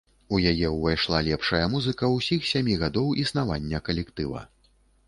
У яе ўвайшла лепшая музыка ўсіх сямі гадоў існавання калектыва.